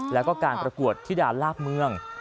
แล้วก็การประกวดธิดาลาบเมือง